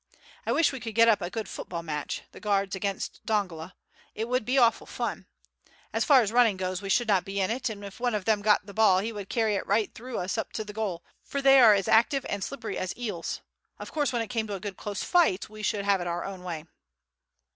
I wish we could get up a good football match, the Guards against Dongola; it would be awful fun. As far as running goes we should not be in it, and if one of them got the ball he would carry it right through us up to the goal, for they are as active and slippery as eels. Of course when it came to a good close fight we should have it our own way."